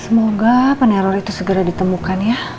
semoga peneror itu segera ditemukan ya